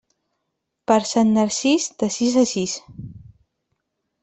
Per Sant Narcís, de sis a sis.